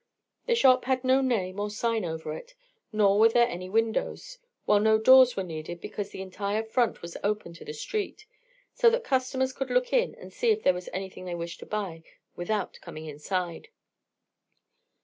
The shop had no name or sign over it, nor were there any windows, while no doors were needed because the entire front was open to the street, so that customers could look in to see if there was anything they wished to buy without coming inside.